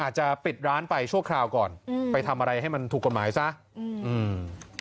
อาจจะปิดร้านไปชั่วคราวก่อนอืมไปทำอะไรให้มันถูกกฎหมายซะอืมอืม